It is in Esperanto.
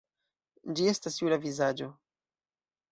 Ĝi estas jura vizaĝo.